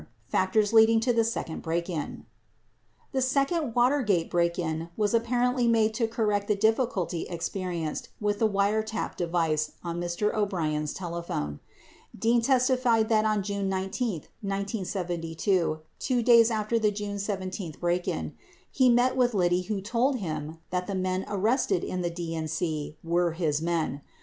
FACTORS LEADING TO THE SECOND BREAK IN The second Watergate break in was apparently made to correct the difficulty experienced with the wiretap device on Mr. O'Brien's telephone. Dean testified that on June 19, 1972, 2 days after the June 17 break in, he met with Liddy who told him that the men arrested in the DNC were his men.